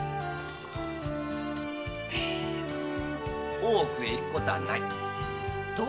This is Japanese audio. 大奥へ行く事はない。